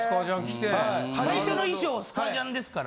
最初の衣装はスカジャンですから。